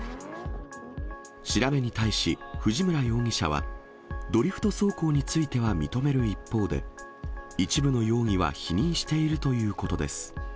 調べに対し藤村容疑者は、ドリフト走行については認める一方で、一部の容疑は否認しているということです。